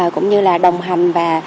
cũng như là đồng hành và